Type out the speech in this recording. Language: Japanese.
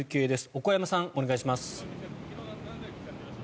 小古山さん、お願いします。